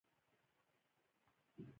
مزارشریف د افغانستان د صادراتو برخه ده.